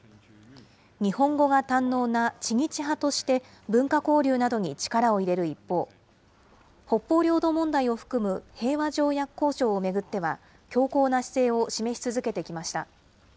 日本語が堪能な知日派として文化交流などに力を入れる一方、北方領土問題を含む平和条約交渉を巡っては、強硬な姿勢を示し続けてきました。